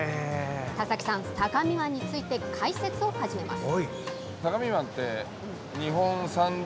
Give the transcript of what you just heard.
田崎さん、相模湾について解説を始めます。